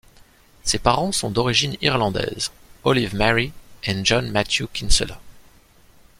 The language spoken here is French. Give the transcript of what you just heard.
Ses parents sont d'origine irlandaise, Olive Mary et John Matthew Kinsella.